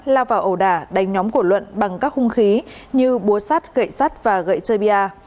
lao vào ẩu đả đánh nhóm của luận bằng các hung khí như búa sắt gậy sắt và gậy chơi bia